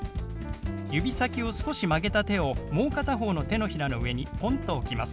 指先を少し曲げた手をもう片方の手のひらの上にポンと置きます。